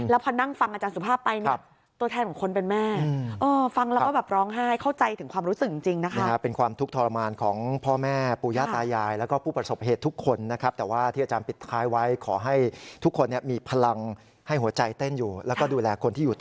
แล้วพอนั่งฟังอาจารย์สุภาพไปนะตัวแทนของคนเป็นแม่